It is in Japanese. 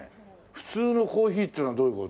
普通のコーヒーっていうのはどういう事？